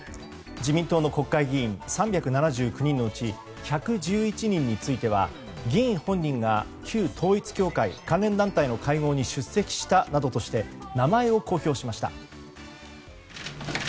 自民党の国会議員３７９人のうち１１１人については議員本人が旧統一教会関連団体の会合に出席したなどとして名前を公表しました。